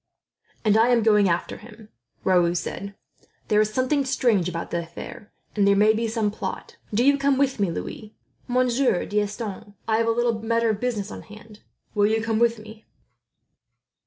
"And I am going after him," Raoul said, rising. "There is something strange about the affair, and there may be some plot. Do you come with me, Louis. "Monsieur D'Estanges, I have a little matter of business on hand. Will you come with me?"